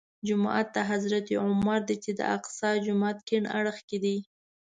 جومات د حضرت عمر دی چې د اقصی جومات کیڼ اړخ کې دی.